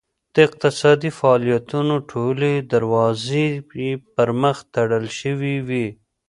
د اقتصادي فعالیتونو ټولې دروازې یې پرمخ تړل شوې وې.